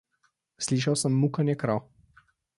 Slišal sem mukanje krav.